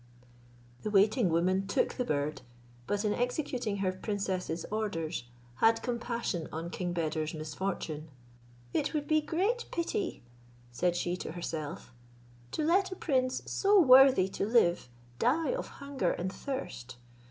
The waiting woman took the bird, but in executing her princess's orders, had compassion on King Beder's misfortune. "It would be great pity," said she to herself, "to let a prince so worthy to live die of hunger and thirst.